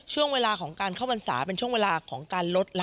ช่วงเวลาของการเข้าพรรษาเป็นช่วงเวลาของการลดละ